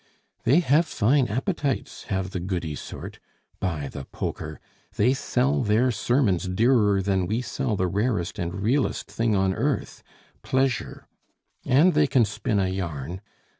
"They have fine appetites, have the goody sort! By the poker! they sell their sermons dearer than we sell the rarest and realest thing on earth pleasure. And they can spin a yarn!